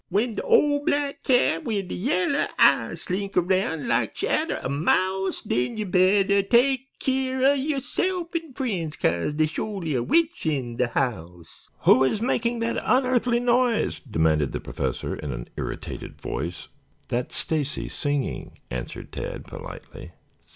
"W'en de ole black cat widdee yella eyes Slink round like she atter ah mouse, Den yo' bettah take keer yo'self en frien's, Kase dey's sho'ly a witch en de house." "Who is making that unearthly noise?" demanded the Professor in an irritated voice. "That's Stacy singing," answered Tad politely.